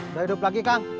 udah hidup lagi kang